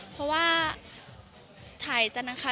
เพราะว่าถ่ายกันนะคะ